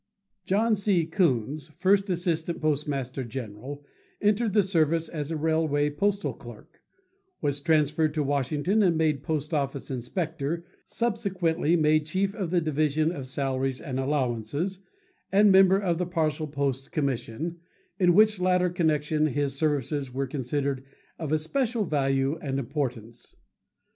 John C. Koons, First Assistant Postmaster General, entered the service as a Railway Postal Clerk; was transferred to Washington and made Post Office Inspector, subsequently made Chief of the Division of Salaries and Allowances and member of the Parcel Post Commission, in which latter connection his services were considered of especial value and importance.